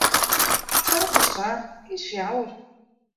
Twa plus twa is fjouwer.